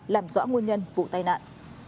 làm rõ nguồn nhân vụ tai nạn